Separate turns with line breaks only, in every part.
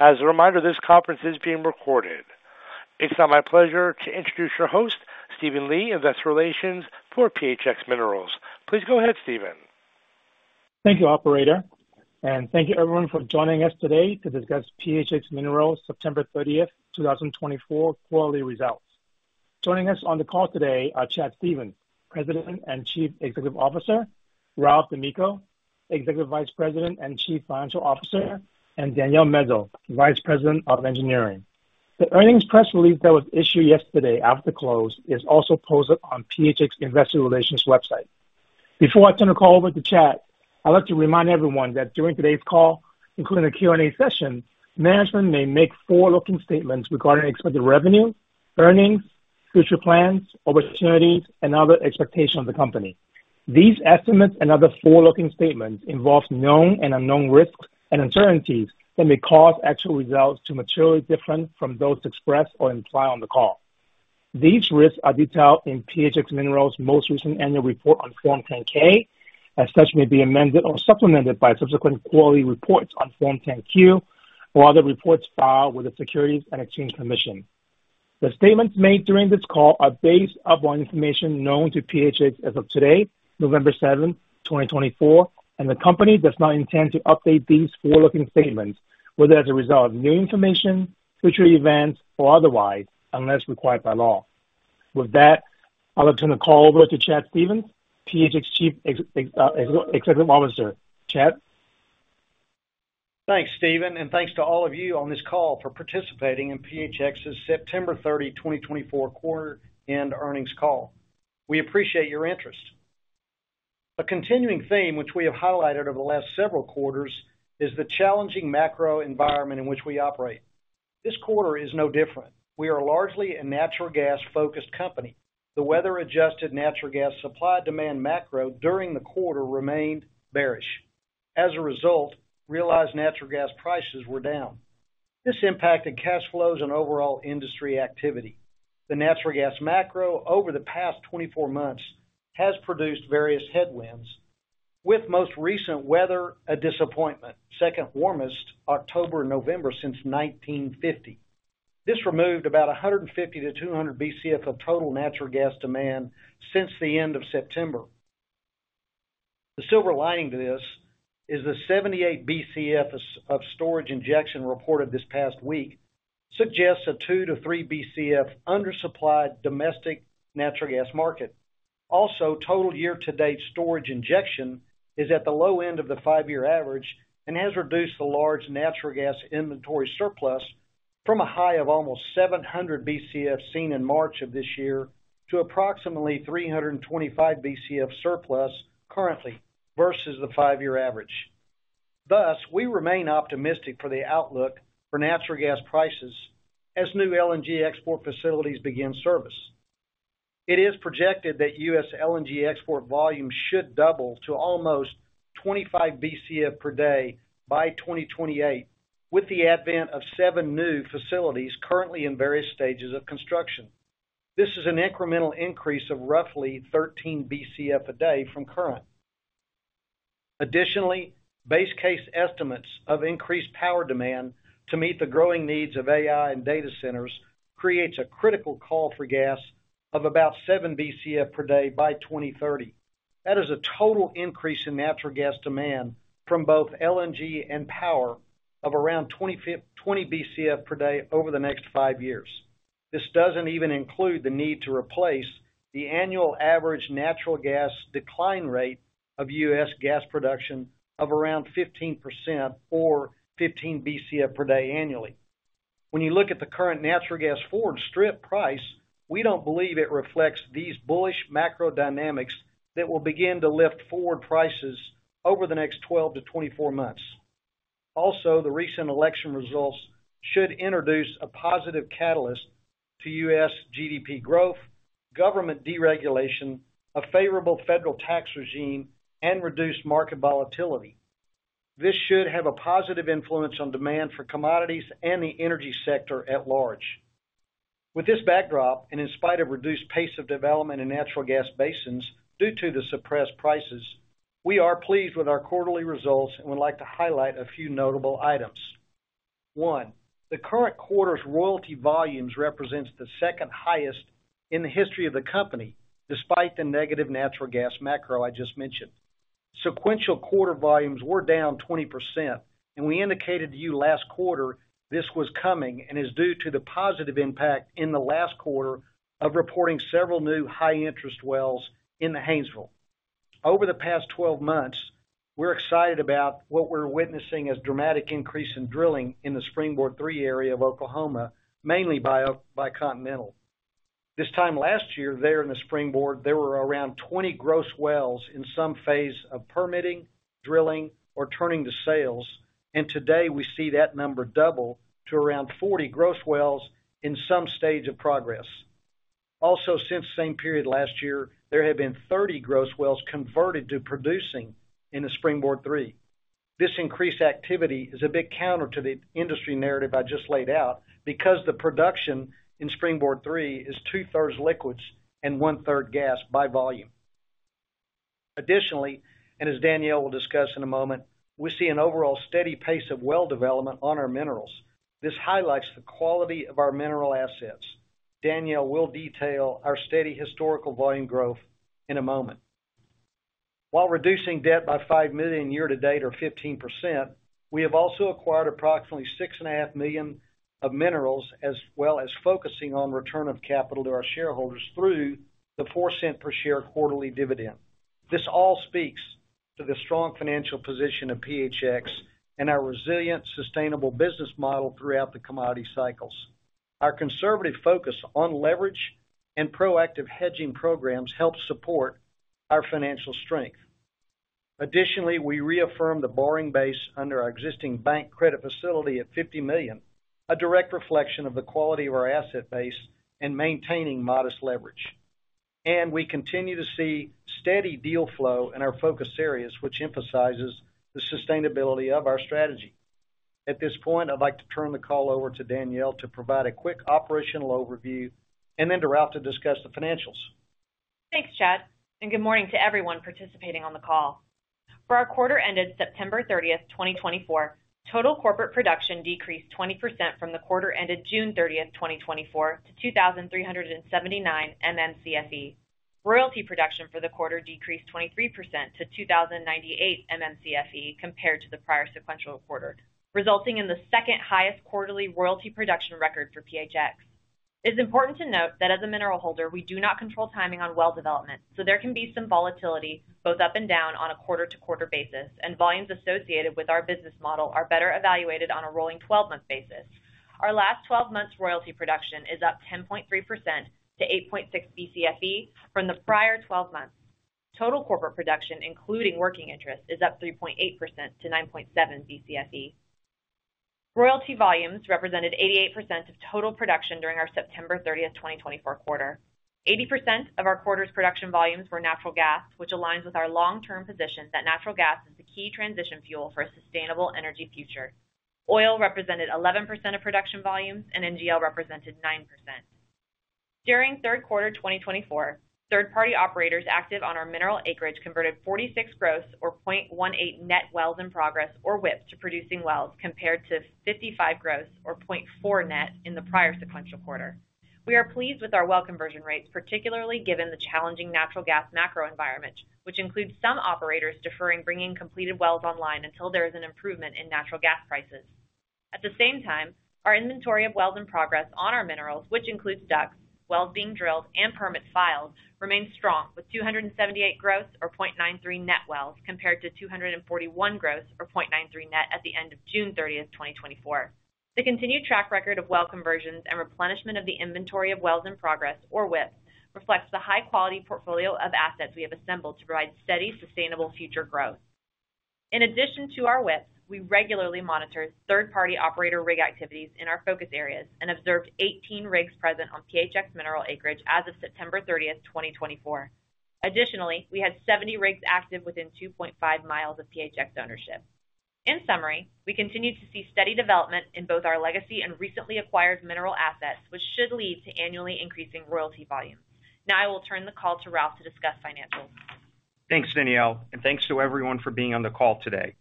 As a reminder, this conference is being recorded. It's now my pleasure to introduce your host, Stephen Lee, Investor Relations for PHX Minerals. Please go ahead, Steven.
Thank you, Operator. And thank you, everyone, for joining us today to discuss PHX Minerals' September 30th, 2024, quarterly results. Joining us on the call today are Chad Stephens, President and Chief Executive Officer, Ralph D'Amico, Executive Vice President and Chief Financial Officer, and Danielle Mezo, Vice President of Engineering. The earnings press release that was issued yesterday after the close is also posted on PHX Investor Relations' website. Before I turn the call over to Chad, I'd like to remind everyone that during today's call, including the Q&A session, management may make forward-looking statements regarding expected revenue, earnings, future plans, opportunities, and other expectations of the company. These estimates and other forward-looking statements involve known and unknown risks and uncertainties that may cause actual results to materially differ from those expressed or implied on the call. These risks are detailed in PHX Minerals' most recent annual report on Form 10-K, and such may be amended or supplemented by subsequent quarterly reports on Form 10-Q or other reports filed with the Securities and Exchange Commission. The statements made during this call are based upon information known to PHX as of today, November 7th, 2024, and the company does not intend to update these forward-looking statements, whether as a result of new information, future events, or otherwise, unless required by law. With that, I'll turn the call over to Chad Stephens, PHX Chief Executive Officer. Chad.
Thanks, Steven, and thanks to all of you on this call for participating in PHX's September 30, 2024, quarter-end earnings call. We appreciate your interest. A continuing theme, which we have highlighted over the last several quarters, is the challenging macro environment in which we operate. This quarter is no different. We are largely a natural gas-focused company. The weather-adjusted natural gas supply-demand macro during the quarter remained bearish. As a result, realized natural gas prices were down. This impacted cash flows and overall industry activity. The natural gas macro over the past 24 months has produced various headwinds, with most recent weather a disappointment, second warmest October and November since 1950. This removed about 150 to 200 BCF of total natural gas demand since the end of September. The silver lining to this is the 78 BCF of storage injection reported this past week suggests a 2 to 3 BCF undersupplied domestic natural gas market. Also, total year-to-date storage injection is at the low end of the five-year average and has reduced the large natural gas inventory surplus from a high of almost 700 BCF seen in March of this year to approximately 325 BCF surplus currently versus the five-year average. Thus, we remain optimistic for the outlook for natural gas prices as new LNG export facilities begin service. It is projected that U.S. LNG export volume should double to almost 25 BCF per day by 2028, with the advent of seven new facilities currently in various stages of construction. This is an incremental increase of roughly 13 BCF a day from current. Additionally, base case estimates of increased power demand to meet the growing needs of AI and data centers create a critical call for gas of about 7 BCF per day by 2030. That is a total increase in natural gas demand from both LNG and power of around 20 BCF per day over the next five years. This doesn't even include the need to replace the annual average natural gas decline rate of U.S. gas production of around 15% or 15 BCF per day annually. When you look at the current natural gas forward strip price, we don't believe it reflects these bullish macro dynamics that will begin to lift forward prices over the next 12 to 24 months. Also, the recent election results should introduce a positive catalyst to U.S. GDP growth, government deregulation, a favorable federal tax regime, and reduced market volatility. This should have a positive influence on demand for commodities and the energy sector at large. With this backdrop and in spite of reduced pace of development in natural gas basins due to the suppressed prices, we are pleased with our quarterly results and would like to highlight a few notable items. One, the current quarter's royalty volumes represent the second highest in the history of the company, despite the negative natural gas macro I just mentioned. Sequential quarter volumes were down 20%, and we indicated to you last quarter this was coming and is due to the positive impact in the last quarter of reporting several new high-interest wells in the Haynesville. Over the past 12 months, we're excited about what we're witnessing as a dramatic increase in drilling in the Springboard 3 area of Oklahoma, mainly by Continental. This time last year there in the Springboard, there were around 20 gross wells in some phase of permitting, drilling, or turning to sales, and today we see that number double to around 40 gross wells in some stage of progress. Also, since the same period last year, there have been 30 gross wells converted to producing in the Springboard 3. This increased activity is a big counter to the industry narrative I just laid out because the production in Springboard 3 is two-thirds liquids and one-third gas by volume. Additionally, and as Danielle will discuss in a moment, we see an overall steady pace of well development on our minerals. This highlights the quality of our mineral assets. Danielle will detail our steady historical volume growth in a moment. While reducing debt by $5 million year-to-date or 15%, we have also acquired approximately $6.5 million of minerals as well as focusing on return of capital to our shareholders through the $0.04 per share quarterly dividend. This all speaks to the strong financial position of PHX and our resilient, sustainable business model throughout the commodity cycles. Our conservative focus on leverage and proactive hedging programs helps support our financial strength. Additionally, we reaffirm the borrowing base under our existing bank credit facility at $50 million, a direct reflection of the quality of our asset base and maintaining modest leverage. And we continue to see steady deal flow in our focus areas, which emphasizes the sustainability of our strategy. At this point, I'd like to turn the call over to Danielle to provide a quick operational overview and then to Ralph to discuss the financials.
Thanks, Chad. And good morning to everyone participating on the call. For our quarter ended September 30th, 2024, total corporate production decreased 20% from the quarter ended June 30th, 2024, to 2,379 MMCFE. Royalty production for the quarter decreased 23% to 2,098 MMCFE compared to the prior sequential quarter, resulting in the second highest quarterly royalty production record for PHX. It's important to note that as a mineral holder, we do not control timing on well development, so there can be some volatility both up and down on a quarter-to-quarter basis, and volumes associated with our business model are better evaluated on a rolling 12-month basis. Our last 12 months' royalty production is up 10.3% to 8.6 BCFE from the prior 12 months. Total corporate production, including working interest, is up 3.8% to 9.7 BCFE. Royalty volumes represented 88% of total production during our September 30th, 2024, quarter. 80% of our quarter's production volumes were natural gas, which aligns with our long-term position that natural gas is the key transition fuel for a sustainable energy future. Oil represented 11% of production volumes, and NGL represented 9%. During third quarter 2024, third-party operators active on our mineral acreage converted 46 gross or 0.18 net wells in progress, or WIP, to producing wells compared to 55 gross or 0.4 net in the prior sequential quarter. We are pleased with our well conversion rates, particularly given the challenging natural gas macro environment, which includes some operators deferring bringing completed wells online until there is an improvement in natural gas prices. At the same time, our inventory of wells in progress on our minerals, which includes DUCs, wells being drilled, and permits filed, remains strong with 278 gross or 0.93 net wells compared to 241 gross or 0.93 net at the end of June 30th, 2024. The continued track record of well conversions and replenishment of the inventory of wells in progress, or WIP, reflects the high-quality portfolio of assets we have assembled to provide steady, sustainable future growth. In addition to our WIP, we regularly monitor third-party operator rig activities in our focus areas and observed 18 rigs present on PHX Minerals acreage as of September 30th, 2024. Additionally, we had 70 rigs active within 2.5 miles of PHX ownership. In summary, we continue to see steady development in both our legacy and recently acquired mineral assets, which should lead to annually increasing royalty volumes. Now I will turn the call to Ralph to discuss financials.
Thanks, Danielle, and thanks to everyone for being on the call today.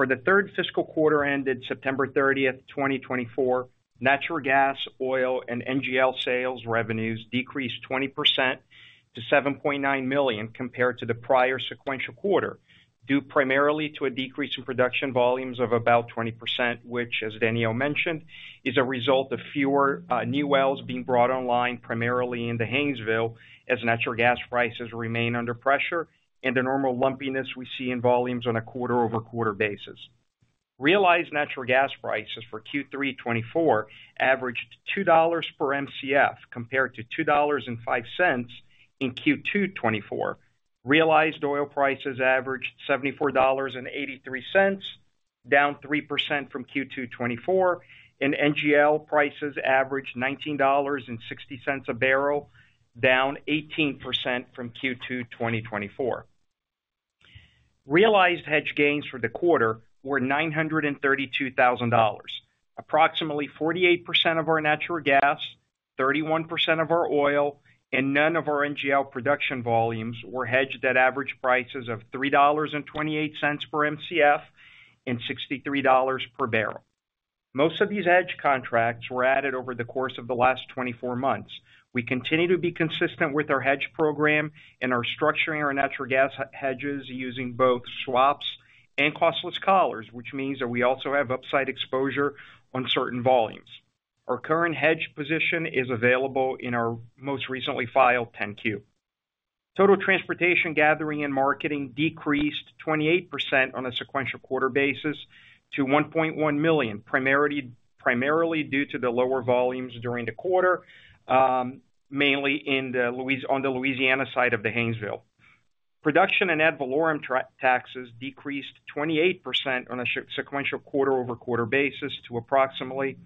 For the third fiscal quarter ended September 30th, 2024, natural gas, oil, and NGL sales revenues decreased 20% to $7.9 million compared to the prior sequential quarter, due primarily to a decrease in production volumes of about 20%, which, as Danielle mentioned, is a result of fewer new wells being brought online primarily in the Haynesville as natural gas prices remain under pressure and the normal lumpiness we see in volumes on a quarter-over-quarter basis. Realized natural gas prices for Q3 '24 averaged $2 per MCF compared to $2.05 in Q2 '24. Realized oil prices averaged $74.83, down 3% from Q2 '24, and NGL prices averaged $19.60 a barrel, down 18% from Q2 2024. Realized hedge gains for the quarter were $932,000. Approximately 48% of our natural gas, 31% of our oil, and none of our NGL production volumes were hedged at average prices of $3.28 per MCF and $63 per barrel. Most of these hedge contracts were added over the course of the last 24 months. We continue to be consistent with our hedge program and are structuring our natural gas hedges using both swaps and costless collars, which means that we also have upside exposure on certain volumes. Our current hedge position is available in our most recently filed 10-Q. Total transportation gathering and marketing decreased 28% on a sequential quarter basis to $1.1 million, primarily due to the lower volumes during the quarter, mainly on the Louisiana side of the Haynesville. Production and ad valorem taxes decreased 28% on a sequential quarter-over-quarter basis to approximately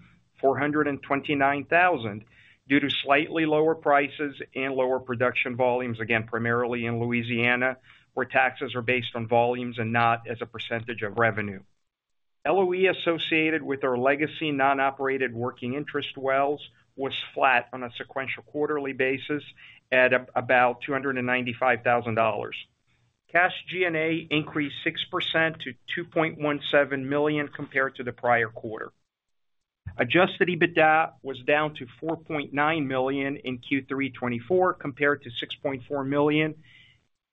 $429,000 due to slightly lower prices and lower production volumes, again, primarily in Louisiana, where taxes are based on volumes and not as a percentage of revenue. LOE associated with our legacy non-operated working interest wells was flat on a sequential quarterly basis at about $295,000. Cash G&A increased 6% to $2.17 million compared to the prior quarter. Adjusted EBITDA was down to $4.9 million in Q3 2024 compared to $6.4 million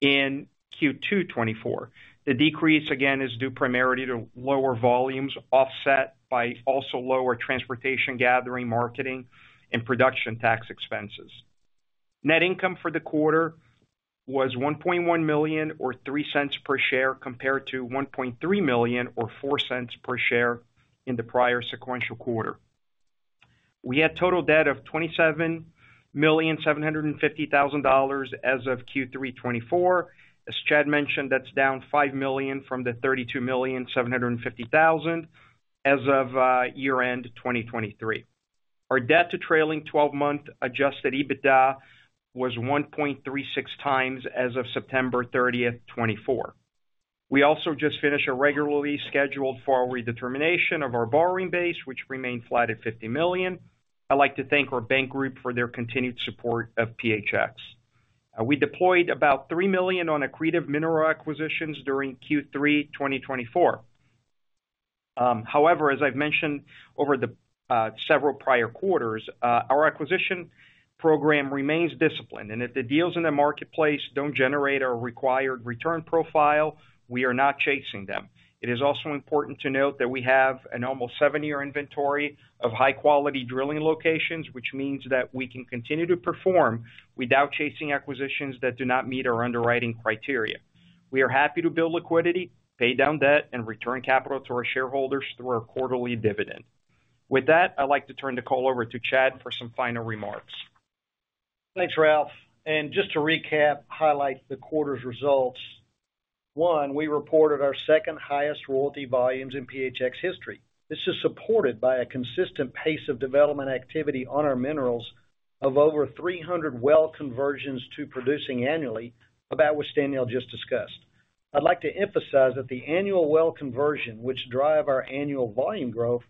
in Q2 2024. The decrease, again, is due primarily to lower volumes offset by also lower transportation gathering, marketing, and production tax expenses. Net income for the quarter was $1.1 million or $0.03 per share compared to $1.3 million or $0.04 per share in the prior sequential quarter. We had total debt of $27,750,000 as of Q3 2024. As Chad mentioned, that's down five million from the $32,750,000 as of year-end 2023. Our debt-to-trailing 12-month Adjusted EBITDA was 1.36 times as of September 30th, 2024. We also just finished a regularly scheduled forward determination of our borrowing base, which remained flat at 50 million. I'd like to thank our bank group for their continued support of PHX. We deployed about three million on accretive mineral acquisitions during Q3 2024. However, as I've mentioned over the several prior quarters, our acquisition program remains disciplined, and if the deals in the marketplace don't generate our required return profile, we are not chasing them. It is also important to note that we have an almost seven-year inventory of high-quality drilling locations, which means that we can continue to perform without chasing acquisitions that do not meet our underwriting criteria. We are happy to build liquidity, pay down debt, and return capital to our shareholders through our quarterly dividend. With that, I'd like to turn the call over to Chad for some final remarks.
Thanks, Ralph. And just to recap, highlight the quarter's results. One, we reported our second highest royalty volumes in PHX history. This is supported by a consistent pace of development activity on our minerals of over 300 well conversions to producing annually, about what Danielle just discussed. I'd like to emphasize that the annual well conversion, which drives our annual volume growth,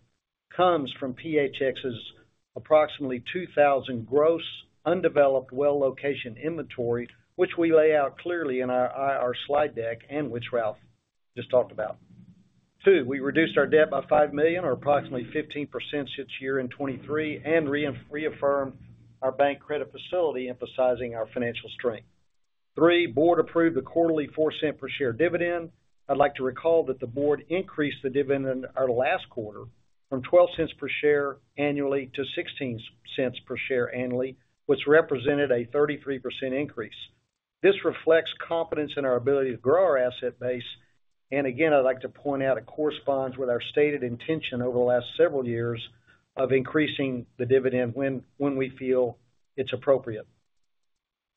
comes from PHX's approximately 2,000 gross undeveloped well location inventory, which we lay out clearly in our slide deck and which Ralph just talked about. Two, we reduced our debt by $5 million, or approximately 15% since year-end 2023, and reaffirmed our bank credit facility, emphasizing our financial strength. Three, board approved the quarterly $0.04 per share dividend. I'd like to recall that the board increased the dividend our last quarter from $0.12 per share annually to $0.16 per share annually, which represented a 33% increase. This reflects confidence in our ability to grow our asset base, and again, I'd like to point out it corresponds with our stated intention over the last several years of increasing the dividend when we feel it's appropriate.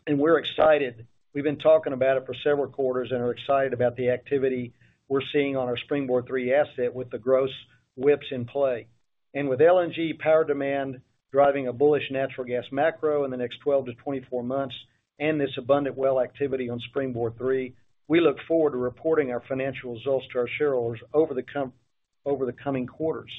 We're excited. We've been talking about it for several quarters and are excited about the activity we're seeing on our Springboard 3 asset with the gross WIPs in play, with LNG power demand driving a bullish natural gas macro in the next 12-24 months and this abundant well activity on Springboard 3. We look forward to reporting our financial results to our shareholders over the coming quarters.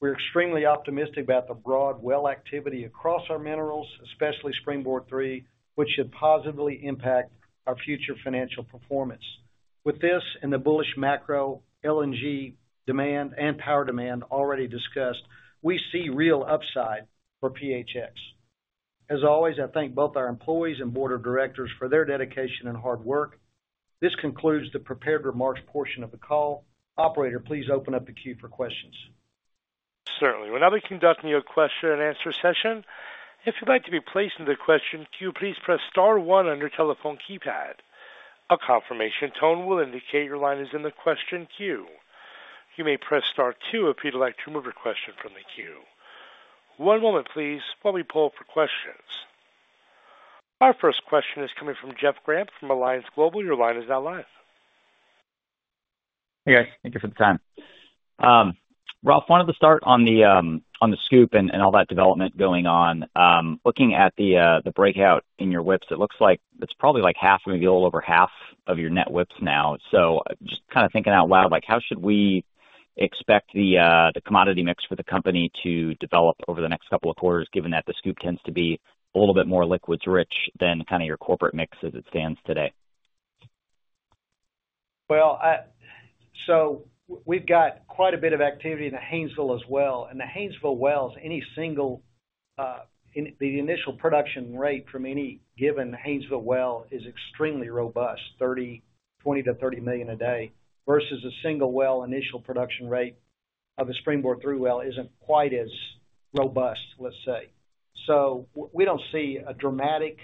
We're extremely optimistic about the broad well activity across our minerals, especially Springboard 3, which should positively impact our future financial performance. With this and the bullish macro LNG demand and power demand already discussed, we see real upside for PHX. As always, I thank both our employees and board of directors for their dedication and hard work. This concludes the prepared remarks portion of the call. Operator, please open up the queue for questions.
Certainly. We're now beginning the question and answer session. If you'd like to be placed in the question queue, please press star one on your telephone keypad. A confirmation tone will indicate your line is in the question queue. You may press star two if you'd like to remove your question from the queue. One moment, please, while we pull up for questions. Our first question is coming from Jeff Gramp from Alliance Global. Your line is now live.
Hey, guys. Thank you for the time. Ralph, wanted to start on the SCOOP and all that development going on. Looking at the breakout in your WIPs, it looks like it's probably like half, maybe a little over half of your net WIPs now. Just thinking out loud, how should we expect the commodity mix for the company to develop over the next couple of quarters, given that the SCOOP tends to be a little bit more liquids-rich than your corporate mix as it stands today?
We've got quite a bit of activity in the Haynesville as well. The Haynesville wells, any single initial production rate from any given Haynesville well is extremely robust, 20-30 million a day, versus a single well initial production rate of a Springboard 3 well isn't quite as robust, let's say. We don't see a dramatic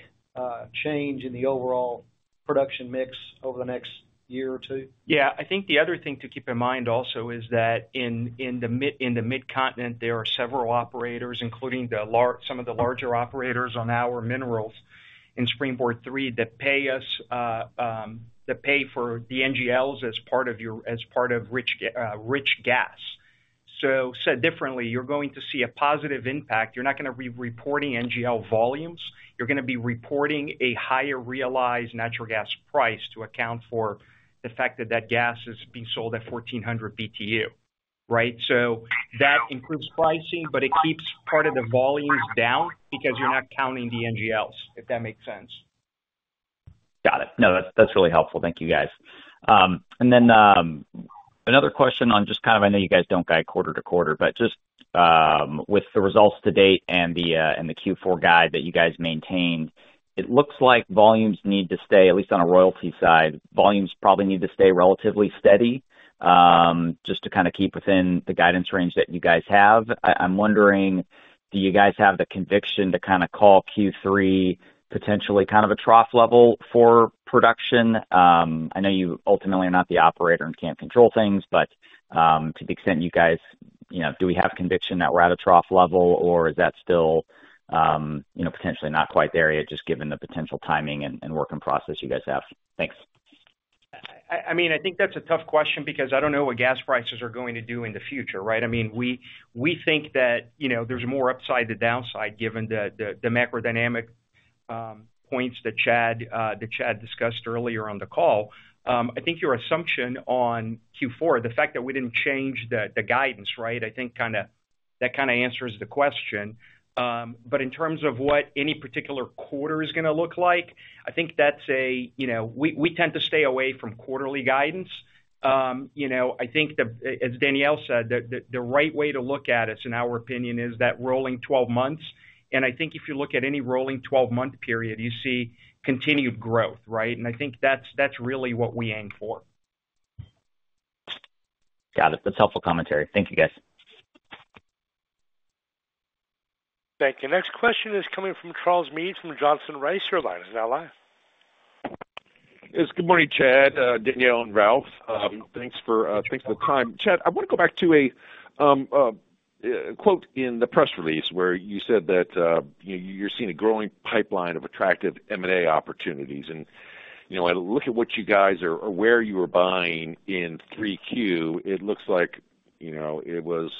change in the overall production mix over the next year or two.
Yeah. I think the other thing to keep in mind also is that in the Midcontinent, there are several operators, including some of the larger operators on our minerals in Springboard 3, that pay us, that pay for the NGLs as part of rich gas. Said differently, you're going to see a positive impact. You're not going to be reporting NGL volumes. You're going to be reporting a higher realized natural gas price to account for the fact that that gas is being sold at 1,400 BTU, right? That includes pricing, but it keeps part of the volumes down because you're not counting the NGLs, if that makes sense.
Got it. No, that's really helpful. Thank you, guys. And then another question on just, I know you guys don't guide quarter to quarter, but just with the results to date and the Q4 guide that you guys maintained, it looks like volumes need to stay, at least on a royalty side, volumes probably need to stay relatively steady just to keep within the guidance range that you guys have. I'm wondering, do you guys have the conviction to call Q3 potentially a trough level for production? I know you ultimately are not the operator and can't control things, but to the extent you guys, do we have conviction that we're at a trough level, or is that still potentially not quite there yet, just given the potential timing and work in progress you guys have? Thanks.
I mean, I think that's a tough question because I don't know what gas prices are going to do in the future, right? I mean, we think that there's more upside than downside given the macro-dynamic points that Chad discussed earlier on the call. I think your assumption on Q4, the fact that we didn't change the guidance, right, I think that answers the question. In terms of what any particular quarter is going to look like, I think that's a we tend to stay away from quarterly guidance. I think, as Danielle said, the right way to look at it, in our opinion, is that rolling 12 months. And I think if you look at any rolling 12-month period, you see continued growth, right? And I think that's really what we aim for.
Got it. That's helpful commentary. Thank you, guys.
Thank you. Next question is coming from Charles Meade from Johnson Rice & Company. Now live.
Yes. Good morning, Chad, Danielle, and Ralph. Thanks for the time. Chad, I want to go back to a quote in the press release where you said that you're seeing a growing pipeline of attractive M&A opportunities. And I look at what you guys are aware you were buying in 3Q. It looks like it was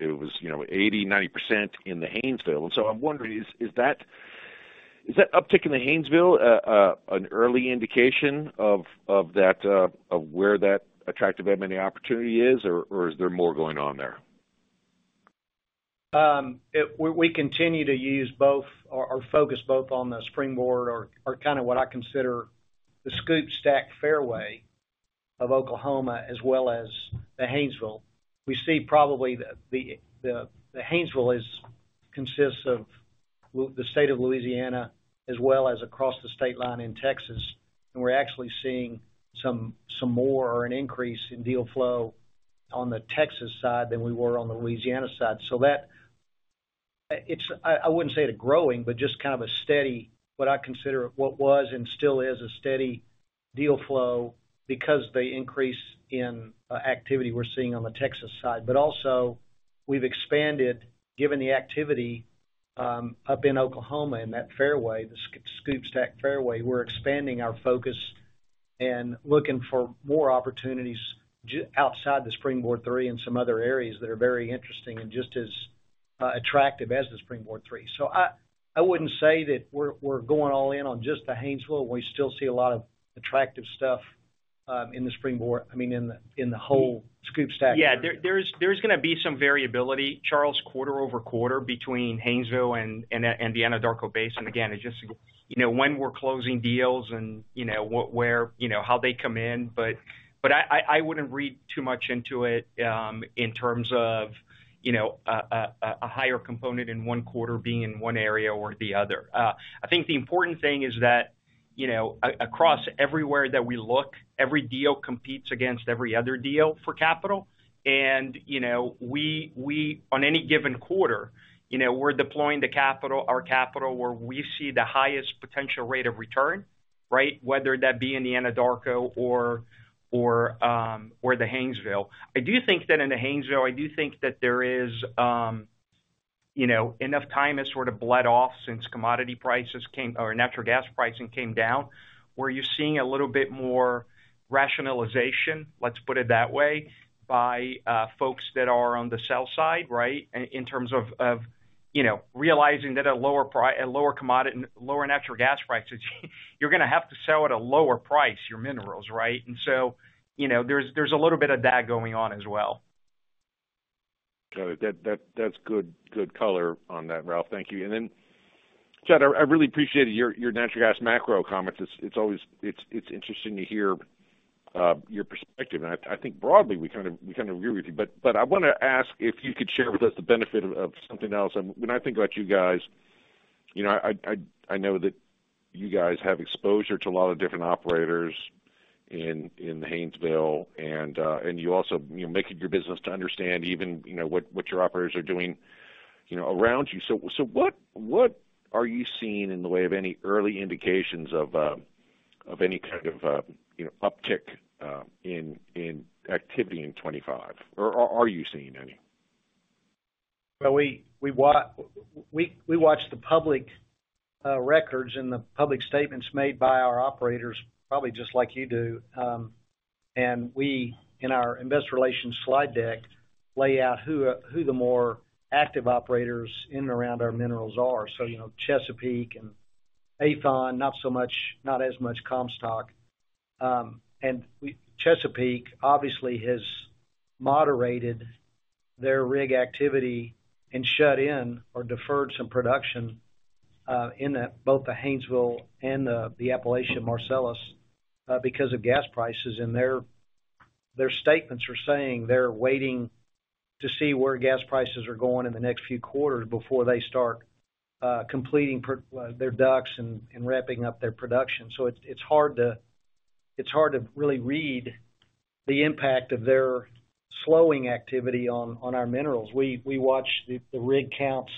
80%-90% in the Haynesville. And so I'm wondering, is that uptick in the Haynesville an early indication of where that attractive M&A opportunity is, or is there more going on there?
We continue to use both or focus both on the Springboard or what I consider the SCOOP STACK fairway of Oklahoma as well as the Haynesville. We see probably the Haynesville consists of the state of Louisiana as well as across the state line in Texas, and we're actually seeing some more or an increase in deal flow on the Texas side than we were on the Louisiana side, so I wouldn't say it's growing, but just a steady, what I consider what was and still is a steady deal flow because of the increase in activity we're seeing on the Texas side. We've expanded, given the activity up in Oklahoma in that fairway, the SCOOP STACK fairway, we're expanding our focus and looking for more opportunities outside the Springboard 3 and some other areas that are very interesting and just as attractive as the Springboard 3. I wouldn't say that we're going all in on just the Haynesville. We still see a lot of attractive stuff in the Springboard, I mean, in the whole SCOOP STACK. There's going to be some variability, Charles, quarter over quarter between Haynesville and the Anadarko Basin. And again, it just when we're closing deals and how they come in. I wouldn't read too much into it in terms of a higher component in one quarter being in one area or the other. I think the important thing is that across everywhere that we look, every deal competes against every other deal for capital. And on any given quarter, we're deploying our capital where we see the highest potential rate of return, right, whether that be in the Anadarko or the Haynesville. I do think that in the Haynesville, I do think that there is enough time has sort of bled off since commodity prices came or natural gas pricing came down, where you're seeing a little bit more rationalization, let's put it that way, by folks that are on the sell side, right, in terms of realizing that at a lower natural gas price, you're going to have to sell at a lower price your minerals, right? There's a little bit of that going on as well.
Got it. That's good color on that, Ralph. Thank you. Chad, I really appreciated your natural gas macro comments. It's interesting to hear your perspective. And I think broadly, we agree with you. I want to ask if you could share with us the benefit of something else. When I think about you guys, I know that you guys have exposure to a lot of different operators in the Haynesville. You also make it your business to understand even what your operators are doing around you. What are you seeing in the way of any early indications of any uptick in activity in 2025? Or are you seeing any?
We watch the public records and the public statements made by our operators, probably just like you do. We in our investor relations slide deck lay out who the more active operators in and around our minerals are. Chesapeake and Aethon, not as much Comstock. Chesapeake obviously has moderated their rig activity and shut in or deferred some production in both the Haynesville and the Appalachia Marcellus because of gas prices. Their statements are saying they're waiting to see where gas prices are going in the next few quarters before they start completing their DUCs and ramping up their production. It's hard to really read the impact of their slowing activity on our minerals. We watch the rig counts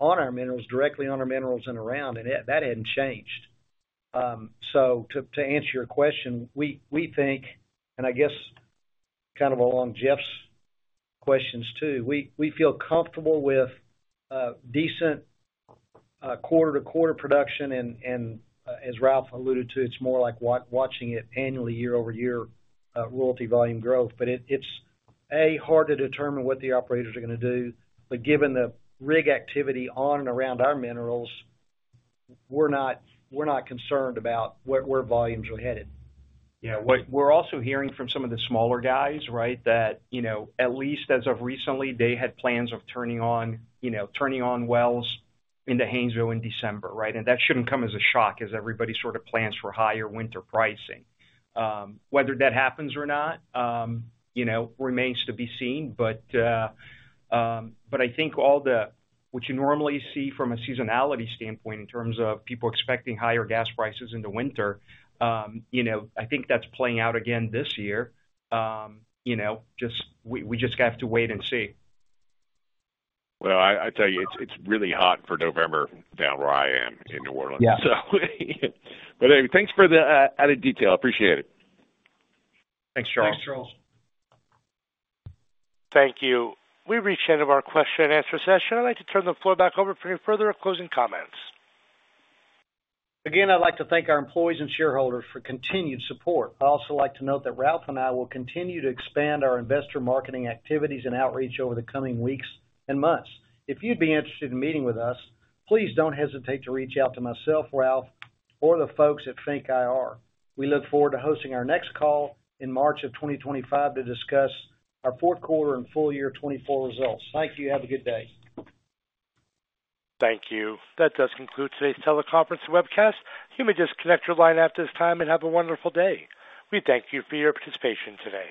on our minerals, directly on our minerals and around. That hasn't changed. To answer your question, we think, and I guess along Jeff's questions too, we feel comfortable with decent quarter-to-quarter production. As Ralph alluded to, it's more like watching it annually, year-over-year royalty volume growth. It's a hard to determine what the operators are going to do. Given the rig activity on and around our minerals, we're not concerned about where volumes are headed. We're also hearing from some of the smaller guys, right, that at least as of recently, they had plans of turning on wells in the Haynesville in December, right, and that shouldn't come as a shock as everybody sort of plans for higher winter pricing. Whether that happens or not remains to be seen, but I think what you normally see from a seasonality standpoint in terms of people expecting higher gas prices in the winter, I think that's playing out again this year. Just, we just have to wait and see.
I tell you, it's really hot for November down where I am in New Orleans, so. Anyway, thanks for the added detail. I appreciate it.
Thanks, Charles.
Thank you. We've reached the end of our question and answer session. I'd like to turn the floor back over for any further closing comments.
Again, I'd like to thank our employees and shareholders for continued support. I'd also like to note that Ralph and I will continue to expand our investor marketing activities and outreach over the coming weeks and months. If you'd be interested in meeting with us, please don't hesitate to reach out to myself, Ralph, or the folks at Fink IR. We look forward to hosting our next call in March of 2025 to discuss our fourth quarter and full-year 2024 results. Thank you. Have a good day.
Thank you.
That does conclude today's teleconference and webcast. You may now disconnect your line at this time and have a wonderful day. We thank you for your participation today.